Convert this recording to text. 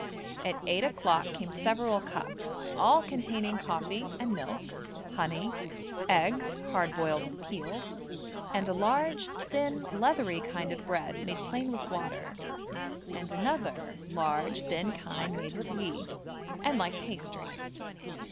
At eight o'clock came several cups, all containing coffee and milk, honey, eggs, hard boiled and peeled, and a large thin leathery kind of bread made plain with water, and another large thin kind made with ghi, and like pastry.